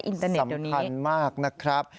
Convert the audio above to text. อินเทอร์เน็ตเดียวนี้สำคัญมากนะครับ